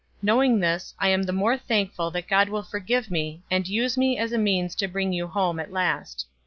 Knowing this, I am the more thankful that God will forgive me, and use me as a means to bring you home at last.